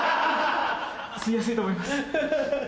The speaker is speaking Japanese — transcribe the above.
吸いやすいと思います。